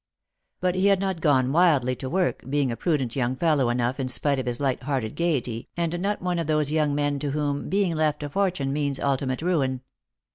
But he had not gone wildly to work, being a prudent young fellow enough in spite of his light hearted gaiety, and not one of those young men to whom being left a fortune means ultimate ruin.